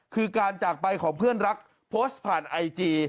คือการจากไปของเพื่อนรักโพสต์ผ่านไอจี